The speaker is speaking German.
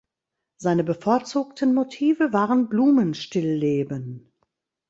Seine bevorzugten Motive waren Blumenstillleben.